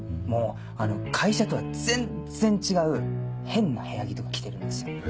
もうあの会社とは全然違う変な部屋着とか着てるんですよ。